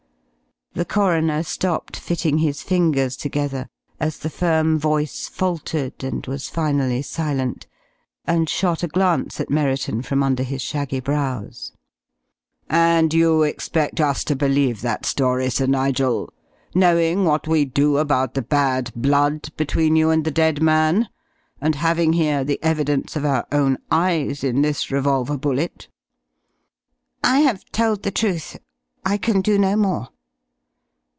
The coroner stopped fitting his fingers together as the firm voice faltered and was finally silent, and shot a glance at Merriton from under his shaggy brows. "And you expect us to believe that story, Sir Nigel; knowing what we do about the bad blood between you and the dead man, and having here the evidence of our own eyes in this revolver bullet?" "I have told the truth. I can do no more."